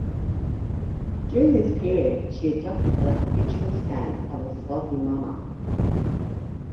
During this period she adopted the habitual stance of a Swazi monarch.